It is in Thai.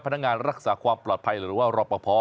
นักงานรักษาความปลอดภัยหรือว่ารอปภ